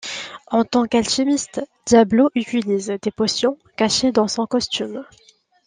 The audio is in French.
En tant qu'alchimiste, Diablo utilise des potions, cachées dans son costume.